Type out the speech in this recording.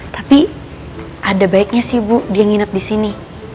tapi ada baiknya sih bu dia nginap di sini